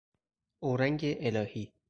اورنگ الهی